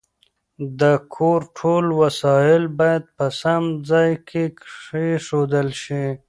د کور ټول وسایل باید په سم ځای کې کېښودل شي.